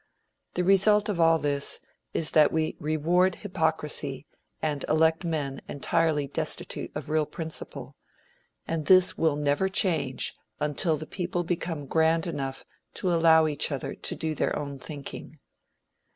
The result of all this is that we reward hypocrisy and elect men entirely destitute of real principle; and this will never change until the people become grand enough to allow each other to do their own thinking.